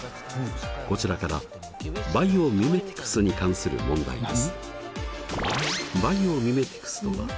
こちらからバイオミメティクスに関する問題です。